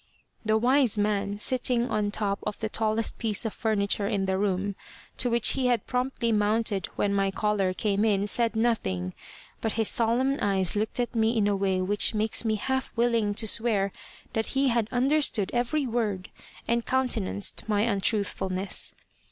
The "wise man," sitting on top of the tallest piece of furniture in the room, to which he had promptly mounted when my caller came in, said nothing, but his solemn eyes looked at me in a way which makes me half willing to swear that he had understood every word, and countenanced my untruthfulness.